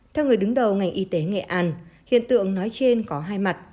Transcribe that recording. theo người đứng đầu ngành y tế nghệ an hiện tượng nói trên có hai mặt